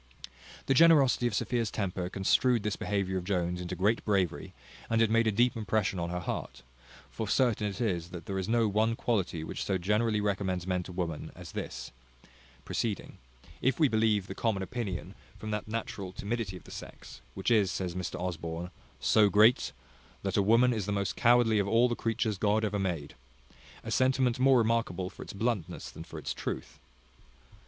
The generosity of Sophia's temper construed this behaviour of Jones into great bravery; and it made a deep impression on her heart: for certain it is, that there is no one quality which so generally recommends men to women as this; proceeding, if we believe the common opinion, from that natural timidity of the sex, which is, says Mr Osborne, "so great, that a woman is the most cowardly of all the creatures God ever made;" a sentiment more remarkable for its bluntness than for its truth.